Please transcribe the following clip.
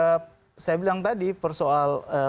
namun kan memang saya bilang tadi persoal politikannya